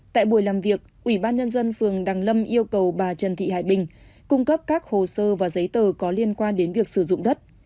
tại buổi làm việc ubnd phường đăng lâm yêu cầu bà trần thị hải bình cung cấp các hồ sơ và giấy tờ có liên quan đến việc sử dụng đất